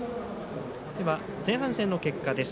前半戦の結果です。